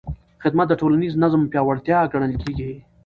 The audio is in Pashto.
خدمت د ټولنیز نظم پیاوړتیا ګڼل کېږي.